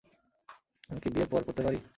আমি কি বিয়ের পর পরতে পারি?